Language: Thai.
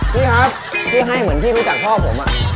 พี่ฮับพี่ให้เหมือนที่รู้จักชอบผมอ่ะ